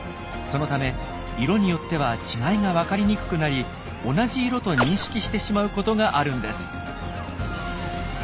そのため色によっては違いがわかりにくくなり同じ色と認識してしまうことがあるんです。